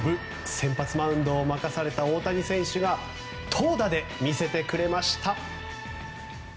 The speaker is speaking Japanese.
先発マウンドを任された大谷選手が投打で魅せてくれました。